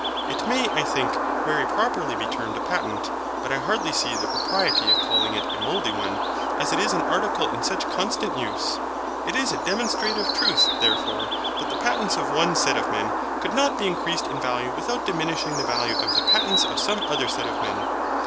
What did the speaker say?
It may, I think, very properly be termed a patent, but I hardly see the propriety of calling it a mouldy one, as it is an article in such constant use.) It is a demonstrative truth, therefore, that the patents of one set of men could not be increased in value without diminishing the value of the patents of some other set of men.